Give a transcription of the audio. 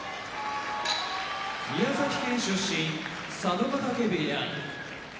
宮崎県出身佐渡ヶ嶽部屋